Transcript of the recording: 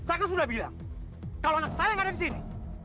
saya kan sudah bilang kalau anak saya yang ada di sini